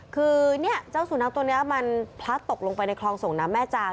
คือเนี่ยเจ้าสุนัขตัวนี้มันพลัดตกลงไปในคลองส่งน้ำแม่จาง